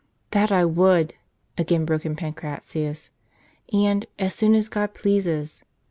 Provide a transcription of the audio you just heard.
"That I would," again broke in Pancratius, "and, as soon as God pleases